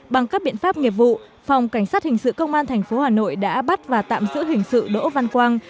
bằng các biện pháp nghiệp vụ phòng cảnh sát hình sự công an tp hà nội đã bắt và tạm giữ hình sự đỗ văn quang